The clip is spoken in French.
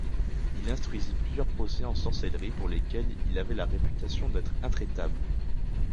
Il instruisit plusieurs procès en sorcellerie pour lesquels il avait la réputation d'être intraitable.